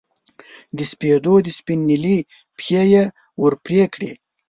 د سپېدو د سپین نیلي پښې یې ور پرې کړې